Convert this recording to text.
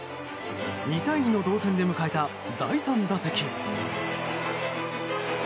２対２の同点で迎えた第３打席。